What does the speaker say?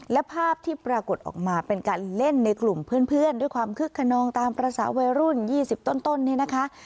และภาพที่ปรากฏออกมาเป็นการเล่นในกลุ่มเพื่อนด้วยความคึกขนองตามภาษาวัยรุ่น๒๐ต้นเนี่ยนะคะ